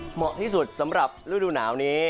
เหมาะที่สุดสำหรับฤดูหนาวนี้